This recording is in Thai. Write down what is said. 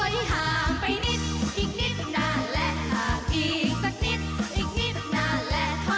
ห่างไปนิดอีกนิดนานและห่างอีกสักนิดอีกนิดนานและท่อ